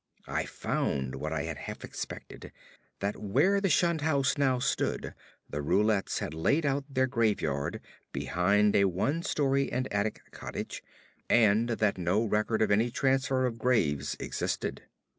I found what I had half expected, that where the shunned house now stood the Roulets had laid out their graveyard behind a one story and attic cottage, and that no record of any transfer of graves existed.